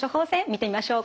見てみましょう。